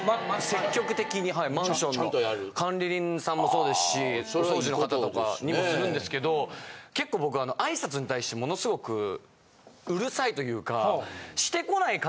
積極的にはいマンションの管理人さんもそうですしお掃除の方とかにもするんですけど結構僕挨拶に対してものすごくうるさいというか。